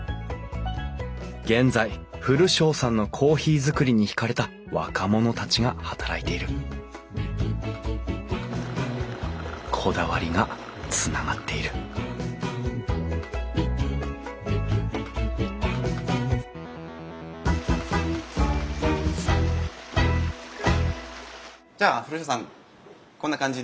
現在古荘さんのコーヒーづくりにひかれた若者たちが働いているこだわりがつながっているじゃあ古荘さんこんな感じで。